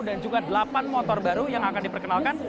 dan juga delapan motor baru yang akan diperkenalkan